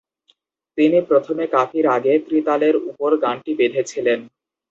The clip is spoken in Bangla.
তিনি প্রথমে কাফি রাগে ত্রিতালের উপর গানটি বেঁধেছিলেন।